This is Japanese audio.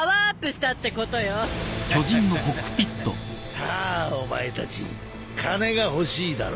さあお前たち金が欲しいだろ？